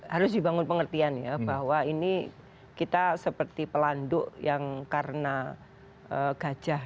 harus dibangun pengertian ya bahwa ini kita seperti pelanduk yang karena gajah